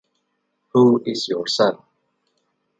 Who is your son?